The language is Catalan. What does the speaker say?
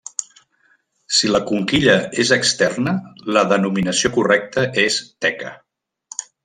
Si la conquilla és externa, la denominació correcta és teca.